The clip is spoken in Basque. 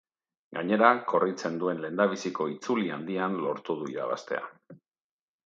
Gainera, korritzen duen lehendabiziko itzuli handian lortu du irabaztea.